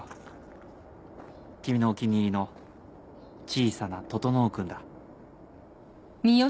君のお気に入りの小さな整君だ。